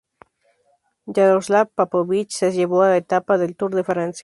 Yaroslav Popovich se llevó una etapa del Tour de Francia.